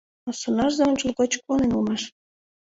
Но сонарзе ончылгоч куанен улмаш.